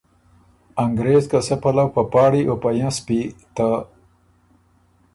انګرېز که سۀ پلؤ په پاړی او په ینسپی ته